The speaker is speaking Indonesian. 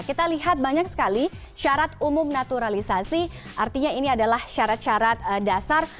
kita lihat banyak sekali syarat umum naturalisasi artinya ini adalah syarat syarat dasar